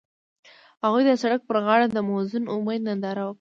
هغوی د سړک پر غاړه د موزون امید ننداره وکړه.